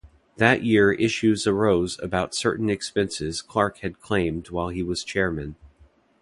That year issues arose about certain expenses Clark had claimed while he was Chairman.